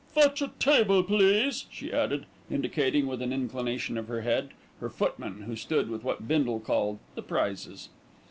"Fetch a table, please," she added, indicating, with an inclination of her head, her footman, who stood with what Bindle called "the prizes."